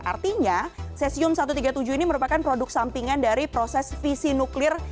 artinya cesium satu ratus tiga puluh tujuh ini merupakan produk sampingan dari proses visi nuklir